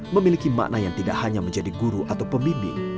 memiliki makna yang tidak hanya menjadi guru atau pembimbing